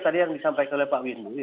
tadi yang disampaikan oleh pak windu